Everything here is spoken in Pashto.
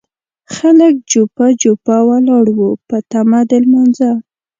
خلک جوپه جوپه ولاړ وو په تمه د لمانځه.